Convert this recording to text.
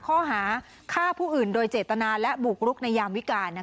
ข้อหาฆ่าผู้อื่นโดยเจตนาและบุกรุกในยามวิการ